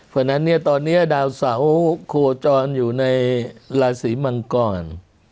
เพราะฉะนั้นเนี่ยตอนนี้ดาวเสาโคจรอยู่ในราศีมังกร